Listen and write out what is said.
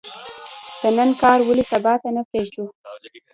د نن کار ولې سبا ته نه پریږدو؟